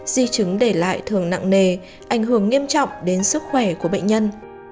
di chứng để lại thường nặng nề ảnh hưởng nghiêm trọng đến sức khỏe của bệnh nhân